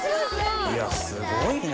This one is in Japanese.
いやすごいな！